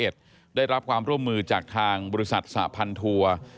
ได้รับความร่วมมือจากทางบริษัทสหพันทัวร์